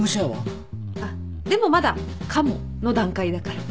あっでもまだ「かも」の段階だから。